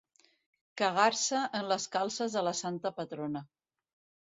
Cagar-se en les calces de la santa patrona.